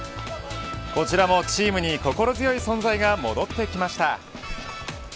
こちらもチームに心強い存在が戻ってきました。